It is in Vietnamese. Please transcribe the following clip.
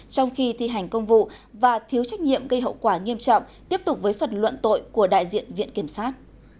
trong khi thi hành công vụ và thiếu trách nhiệm gây hậu quả nghiêm trọng tiếp tục với phần luận tội của đại diện viện kiểm sát